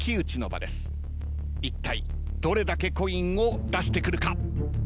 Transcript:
いったいどれだけコインを出してくるか。